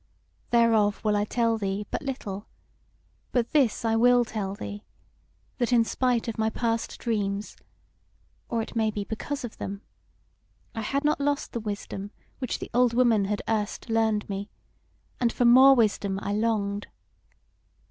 Thereof will I tell thee but little: but this I will tell thee, that in spite of my past dreams, or it may be because of them, I had not lost the wisdom which the old woman had erst learned me, and for more wisdom I longed.